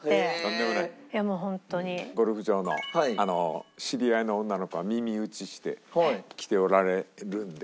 ゴルフ場の知り合いの女の子が耳打ちして「来ておられるんで」。